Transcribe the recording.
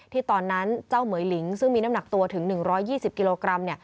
ตอนนั้นเจ้าเหมือยหลิงซึ่งมีน้ำหนักตัวถึง๑๒๐กิโลกรัม